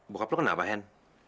bokap anda kenapa hen